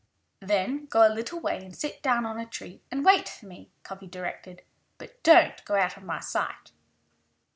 "Then go a little way and sit down on a tree and wait for me," Cuffy directed. "But don't go out of my sight!"